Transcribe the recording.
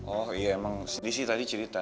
oh iya emang sedih sih tadi cerita